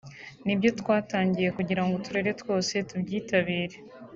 (…) ni byo twatangije kugira ngo uturere twose tubyitabire